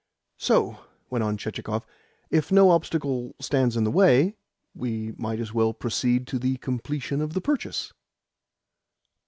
"So," went on Chichikov, "if no obstacle stands in the way, we might as well proceed to the completion of the purchase."